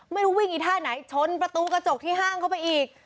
ไม่รู้วิ่งอีท่าไหนชนประตูกระจกที่ห้างเข้าไปอีก